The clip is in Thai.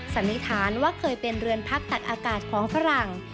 สันนิษฐานว่าเคยเป็นเรือนพักตัดอากาศของฝรั่ง